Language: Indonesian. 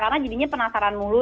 karena jadinya penasaran mulu